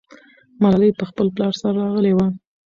ملالۍ خپل پلار سره راغلې وه.